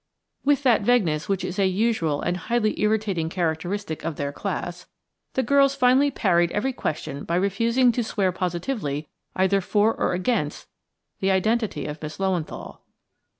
With that vagueness which is a usual and highly irritating characteristic of their class, the girls finally parried every question by refusing to swear positively either for or against the identity of Miss Löwenthal.